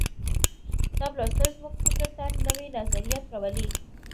کتاب لوستل زموږ فکر ته نوي نظریات راولي.